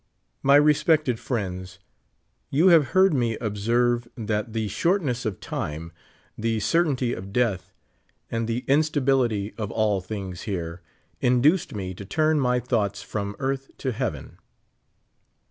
My Respected Friends: You have heard me observe that the shortness of time, the certainty of death, and the instability of all things here, induced me to turn my thoughts from earth to heaven.